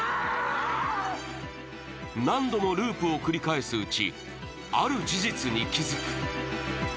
何度もループを繰り返すうちある事実に気づく。